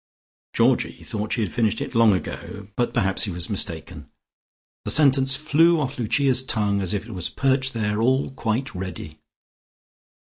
_" Georgie thought she had finished it long ago, but perhaps he was mistaken. The sentence flew off Lucia's tongue as if it was perched there all quite ready.